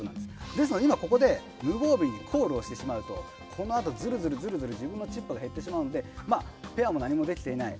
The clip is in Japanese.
ですので今ここで無防備にコールをしてしまうとこのあとずるずる自分のチップが減ってしまうのでペアも何もできていない。